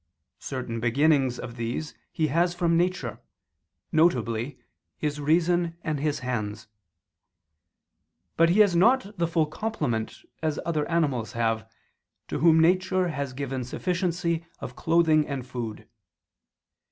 Certain beginnings of these he has from nature, viz. his reason and his hands; but he has not the full complement, as other animals have, to whom nature has given sufficiency of clothing and food.